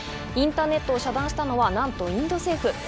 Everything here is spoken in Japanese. インターネットを遮断したのはなんとインド政府。